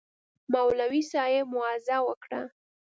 مولوي صاحب موعظه وکړه.